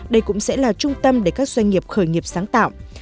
đây cũng sẽ là trung tâm để các doanh nghiệp khởi nghiệp sáng tạo